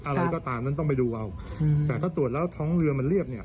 อะไรก็ตามนั้นต้องไปดูเอาแต่ถ้าตรวจแล้วท้องเรือมันเรียบเนี่ย